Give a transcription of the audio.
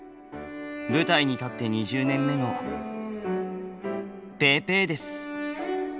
舞台に立って２０年目のぺーペーです